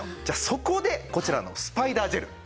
そこでこちらのスパイダージェル。